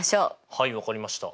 はい分かりました。